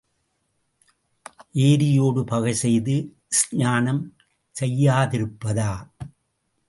ஏரியோடு பகை செய்து ஸ்நானம் செய்யாதிருப்பதா?